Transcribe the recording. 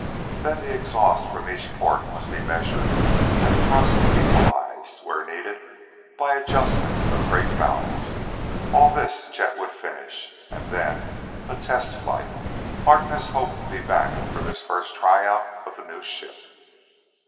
Then the exhaust from each port must be measured and thrusts equalized, where needed, by adjustment of great valves. All this Chet would finish. And then a test flight. Harkness hoped to be back for the first try out of the new ship.